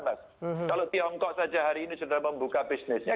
kalau tiongkok saja hari ini sudah membuka bisnisnya